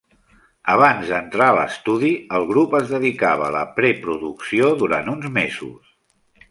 Abans d'entrar a l'estudi, el grup es dedicava a la preproducció durant uns mesos.